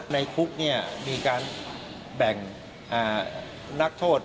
ในคุกมีการแบ่งนักโทษ